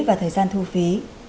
và thời gian thu phí